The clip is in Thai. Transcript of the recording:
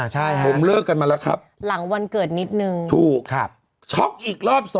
ใช่ครับผมเลิกกันมาแล้วครับหลังวันเกิดนิดนึงถูกครับช็อกอีกรอบ๒